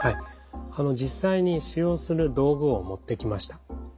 実際に使用する道具を持ってきました。